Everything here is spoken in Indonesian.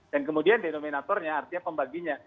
dan kemudian denominatornya artinya pembaginya